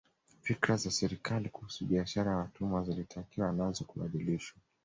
Fikra za serikali kuhusu biashara ya watumwa zilitakiwa nazo kubadilishwa